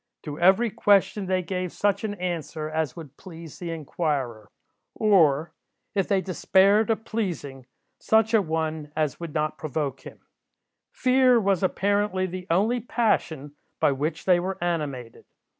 To every question they gave such an answer as would please the inquirer; or, if they despaired of pleasing, such a one as would not provoke him. Fear was, apparently, the only passion by which they were animated.